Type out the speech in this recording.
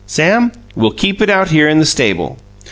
"Sam, we'll keep it out here in the stable."